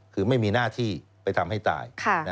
คือไม่มีหน้าที่ไปทำให้ตาย